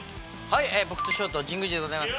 僕と紫耀と神宮寺でございます